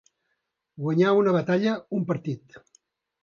Guanyar una batalla, un partit.